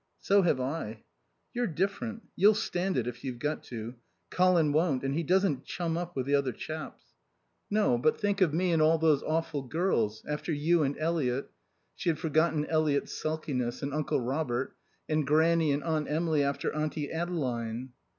"So have I." "You're different. You'll stand it, if you've got to. Colin won't. And he doesn't chum up with the other chaps." "No. But think of me and all those awful girls after you and Eliot" (she had forgotten Eliot's sulkiness) "and Uncle Robert. And Grannie and Aunt Emily after Auntie Adeline."